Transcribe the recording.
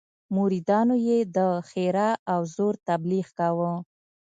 مریدانو یې د ښرا او زور تبليغ کاوه.